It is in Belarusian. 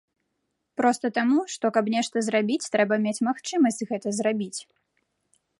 Проста таму, што, каб нешта зрабіць, трэба мець магчымасці гэта зрабіць.